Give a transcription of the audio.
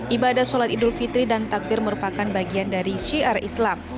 ibadah sholat idul fitri dan takbir merupakan bagian dari syiar islam